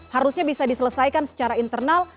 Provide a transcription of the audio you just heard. harusnya bisa diselesaikan secara internal